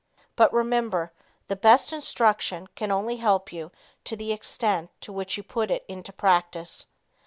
But remember the best instruction can only help you to the extent to which you put it into practice.